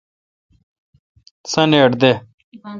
سانیٹ دے۔